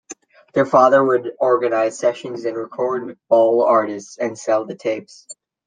Their father would organise sessions and record with Baul artists, and sell the tapes.